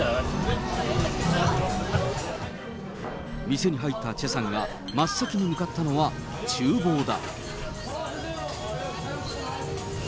店に入ったチェさんが真っ先に向かったのはちゅう房だ。